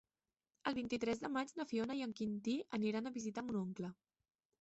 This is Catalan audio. El vint-i-tres de maig na Fiona i en Quintí aniran a visitar mon oncle.